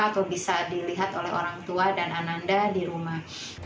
atau bisa dilihat oleh orang tua dan ananda di rumah